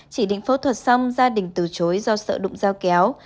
chỉ định phẫu thuật xong gia đình từ chối do sợ đụng giao kéo